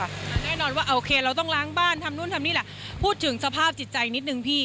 แน่นอนว่าโอเคเราต้องล้างบ้านทำนู่นทำนี่แหละพูดถึงสภาพจิตใจนิดนึงพี่